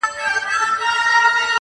یو ناڅاپه یې ور پام سو کښتی وان ته!!